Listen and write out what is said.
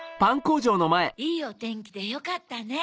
いいおてんきでよかったね。